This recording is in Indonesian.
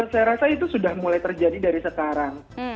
saya rasa itu sudah mulai terjadi dari sekarang